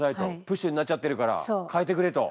プッシュになっちゃってるから変えてくれと。